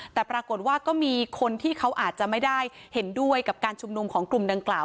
แต่ปรากฏว่าก็มีคนที่เขาอาจจะไม่ได้เห็นด้วยกับการชุมนุมของกลุ่มดังกล่าว